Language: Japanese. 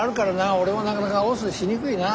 俺もなかなか押忍しにくいなぁ。